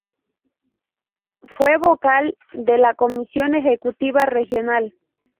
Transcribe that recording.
Fue vocal de la Comisión Ejecutiva Regional.